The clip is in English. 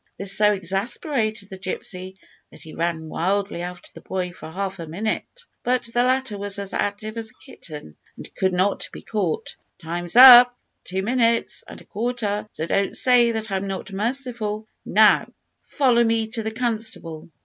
This so exasperated the gypsy, that he ran wildly after the boy for half a minute, but the latter was as active as a kitten, and could not be caught. "Time's up; two minutes and a quarter; so don't say that I'm not merciful. Now, follow me to the constable."